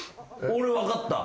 俺分かった。